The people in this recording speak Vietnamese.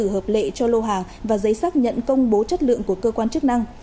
hợp lệ cho lô hàng và giấy xác nhận công bố chất lượng của cơ quan chức năng